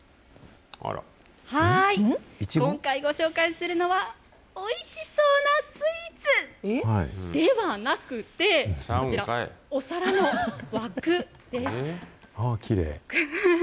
今回ご紹介するのは、おいしそうなスイーツ、ではなくて、こちら、きれい。